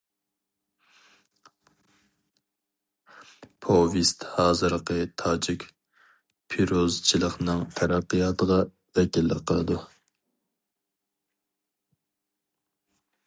پوۋېست ھازىرقى تاجىك پىروزىچىلىقىنىڭ تەرەققىياتىغا ۋەكىللىك قىلىدۇ.